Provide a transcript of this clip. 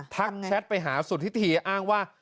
ทักแชตไปหาสูจิธิอ้างว่า